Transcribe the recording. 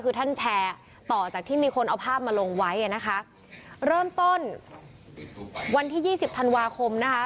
คือท่านแชร์ต่อจากที่มีคนเอาภาพมาลงไว้อ่ะนะคะเริ่มต้นวันที่ยี่สิบธันวาคมนะคะ